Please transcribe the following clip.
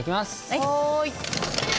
はい。